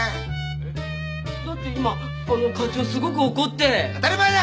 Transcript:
えっだって今課長すごく怒って当たり前だ！